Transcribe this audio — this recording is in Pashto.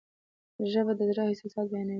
ژبه د زړه احساسات بیانوي.